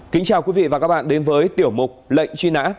kính chào quý vị và các bạn đến với tiểu mục lệnh truy nã